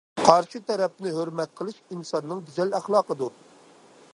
قارشى تەرەپنى ھۆرمەت قىلىش ئىنساننىڭ گۈزەل ئەخلاقىدۇر.